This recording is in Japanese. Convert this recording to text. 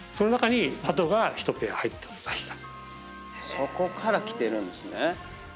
そこからきてるんですね。